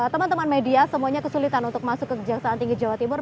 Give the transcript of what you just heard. teman teman media semuanya kesulitan untuk masuk ke kejaksaan tinggi jawa timur